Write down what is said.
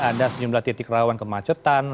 ada sejumlah titik rawan kemacetan